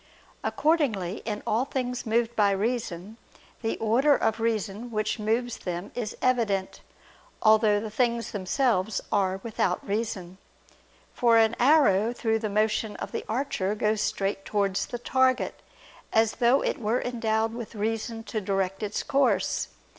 Accordingly, in all things moved by reason, the order of reason which moves them is evident, although the things themselves are without reason: for an arrow through the motion of the archer goes straight towards the target, as though it were endowed with reason to direct its course.